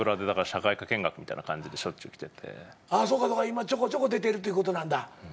今ちょこちょこ出てるということなんだ。